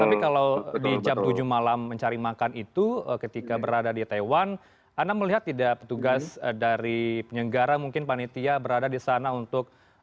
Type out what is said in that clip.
tapi kalau di jam tujuh malam mencari makan itu ketika berada di taiwan anda melihat tidak petugas dari penyenggara mungkin panitia berada di sana untuk